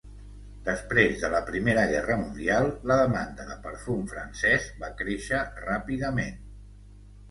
Després de la Primera Guerra Mundial, la demanda de perfum francès va créixer ràpidament.